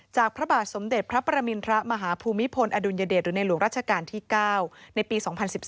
พระบาทสมเด็จพระประมินทรมาฮภูมิพลอดุลยเดชหรือในหลวงราชการที่๙ในปี๒๐๑๒